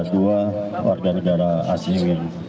dua warga negara asing